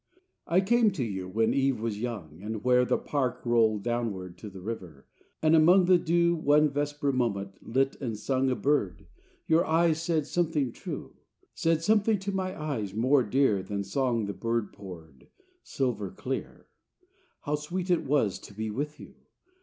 III I came to you when eve was young: And, where the park rolled downward to The river, and among the dew, One vesper moment, lit and sung A bird, your eyes said something true, Said something to my eyes, more dear Than song the bird poured, silver clear. How sweet it was to be with you!